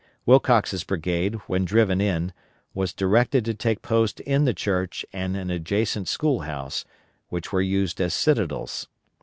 Wilcox's brigade, when driven in, was directed to take post in the church and an adjacent school house, which were used as citadels.